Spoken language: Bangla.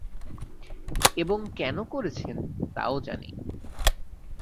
এবং কেন করেছেন তাও জানি।